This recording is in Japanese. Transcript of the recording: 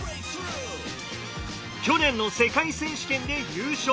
去年の世界選手権で優勝。